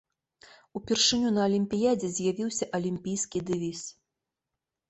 Упершыню на алімпіядзе з'явіўся алімпійскі дэвіз.